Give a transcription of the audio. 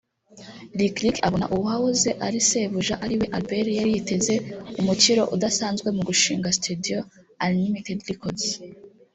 Lick Lick abona uwahoze ari sebuja ariwe Albert yari yiteze umukiro udasanzwe mu gushinga studio Unlimited Records…